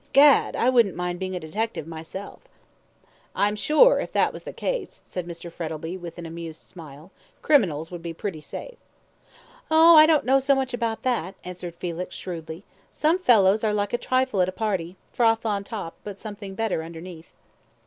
Gad, I wouldn't mind being a detective myself." "I'm afraid if that were the case," said Mr. Frettlby, with an amused smile, "criminals would be pretty safe." "Oh, I don't know so much about that," answered Felix, shrewdly; "some fellows are like trifle at a party, froth on top, but something better underneath."